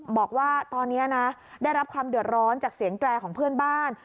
บอกว่าตอนนี้นะได้รับความเดือดร้อนจากเสียงแตรของเพื่อนบ้าน